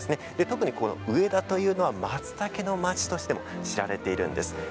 特に上田というのはまつたけの町としても知られているんです。